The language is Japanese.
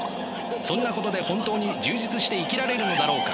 そんなことで本当に充実して生きられるのだろうか。